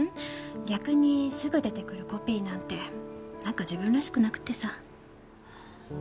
逆にすぐ出てくるコピーなんてなんか自分らしくなくってさ。